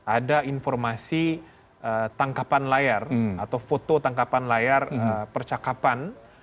ada informasi tangkapan layar atau foto tangkapan layar percakapan